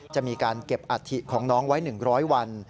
จะมีการเก็บอัฐิของน้องไว้๑๐๐วัน